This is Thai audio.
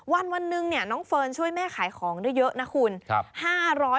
วันนึงเนี้ยน้องเฟิร์นช่วยแม่ขายของได้เยอะนะคุณครับ๕๐๐๗๐๐บาทเลย